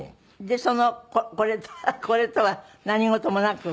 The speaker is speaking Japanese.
でそのこれとはこれとは何事もなく？